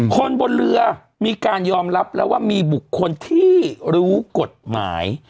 คนบนเรือมีการยอมรับแล้วว่ามีบุคคลที่รู้กฎหมาย